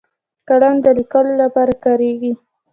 قلم د لیکلو لپاره کارېږي